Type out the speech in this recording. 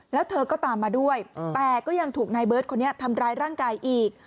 แล้วเธอก็ตามมาด้วยแต่ก็ยังถูกนายเบิร์ตคนนี้ทำร้ายร่างกายอีก